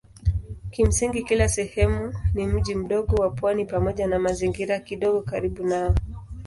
Kimsingi kila sehemu ni mji mdogo wa pwani pamoja na mazingira kidogo karibu nao.